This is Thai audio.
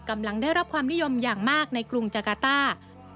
กำลังได้รับความนิยมอย่างมากในกรุงจากาต้า